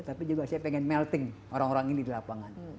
tapi juga saya pengen melting orang orang ini di lapangan